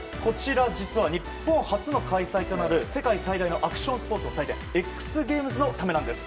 実は日本初の開催となる世界最大のアクションスポーツの祭典ＸＧａｍｅｓのためなんです。